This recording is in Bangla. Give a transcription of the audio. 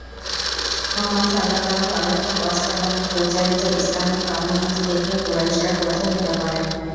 মুহাম্মাদ সাল্লাল্লাহু আলাইহি ওয়াসাল্লাম-এর প্রচারিত ইসলামের ক্রমোন্নতি দেখে কুরাইশরা ক্রোধে ফেটে পড়ে।